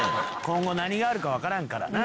「今後何があるかわからんからな」